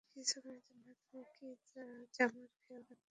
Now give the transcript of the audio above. কিছুক্ষণের জন্য তুমি কি চামার খেয়াল রাখতে পারবে?